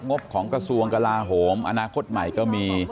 บของกระทรวงกลาโหมอนาคตใหม่ก็มี